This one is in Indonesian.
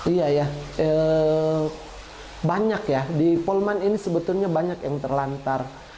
iya ya banyak ya di polman ini sebetulnya banyak yang terlantar